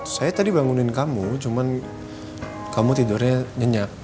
saya tadi bangunin kamu cuman kamu tidurnya nyenyak